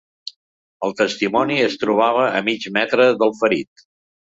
El testimoni es trobava a mig metre del ferit.